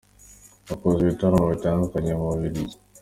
Yakoze ibitaramo bitandukanye mu bubiligi